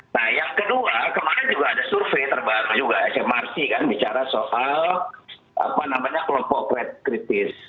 nah yang kedua kemarin juga ada survei terbaru juga smrc kan bicara soal kelompok red kritis